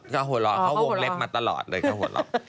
ก็หัวเราะเขาวงเล็บมาตลอดเลยเขาหัวเราะ